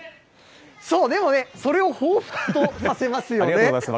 でもね、それをほうふつとさせますよね。